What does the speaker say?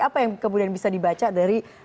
apa yang kemudian bisa dibaca dari